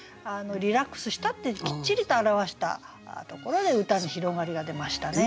リラックスしたってきっちりと表したところで歌に広がりが出ましたね。